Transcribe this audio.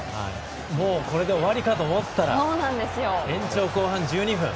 もうこれで終わりかと思ったら延長後半１２分